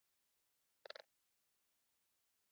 Campuni yao ni maarufu.